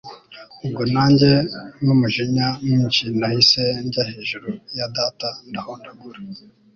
ubwo nanjye numujinya mwinshi, nahise njya hejuru ya data ndahondagura